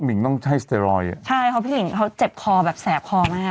หญิงต้องใช้สเตรอยอ่ะใช่เพราะพี่หญิงเขาเจ็บคอแบบแสบคอมาก